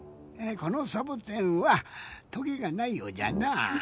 このサボテンはとげがないようじゃな。